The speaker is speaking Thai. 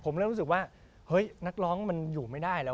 ผมเริ่มรู้สึกว่าเฮ้ยนักร้องมันอยู่ไม่ได้แล้ว